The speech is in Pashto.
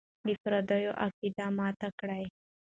د پردیو عقیده ماته کړه.